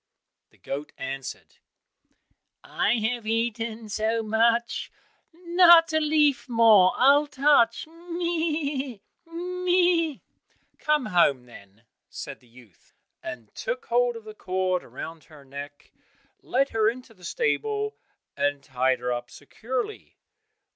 The goat answered, "I have eaten so much, Not a leaf more I'll touch, meh! meh!" "Come home, then," said the youth, and took hold of the cord round her neck, led her into the stable and tied her up securely.